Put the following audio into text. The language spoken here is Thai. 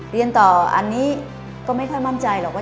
เรียนต่ออันนี้ก็ไม่ค่อยมั่นใจหรอกว่า